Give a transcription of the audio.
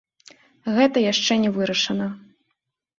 Гэта яшчэ не вырашана.